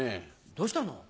どうしたの？